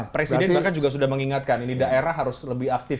presiden bahkan juga sudah mengingatkan ini daerah harus lebih aktif